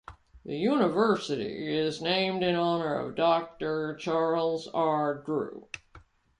The University is named in honor of Doctor Charles R. Drew.